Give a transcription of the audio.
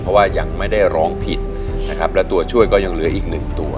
เพราะว่ายังไม่ได้ร้องผิดนะครับและตัวช่วยก็ยังเหลืออีกหนึ่งตัว